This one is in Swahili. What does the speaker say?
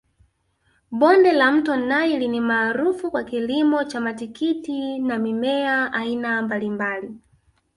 Bonde la mto naili ni maarufu kwa kilimo cha matikiti na mimea aina mbalimbali